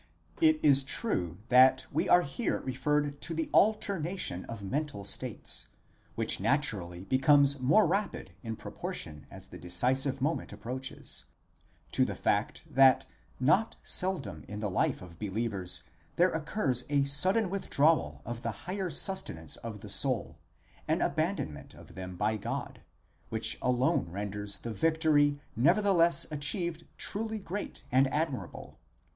It is true that we are here referred to the alternation of mental states, which naturally becomes more rapid in proportion as the decisive moment approaches ;5 to the fact that not seldom in the life of believers there occurs a sudden withdrawal of the higher sustenance of the soul, an abandonment of them by God, which alone renders the victory nevertheless achieved truly great and admirable.